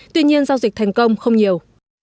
tuy nhiên giao dịch thành công không nhiều